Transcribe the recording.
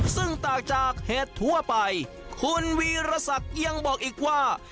ซึ่งต่างจากเห็ดทั่วไปคุณวีรศักดิ์ยังบอกอีกว่า